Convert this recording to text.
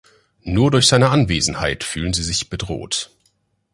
Nur durch seine Anwesenheit fühlen sie sich bedroht.